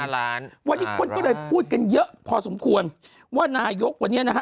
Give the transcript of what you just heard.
วันนี้คนก็เลยพูดกันเยอะพอสมควรว่านายกวันนี้นะฮะ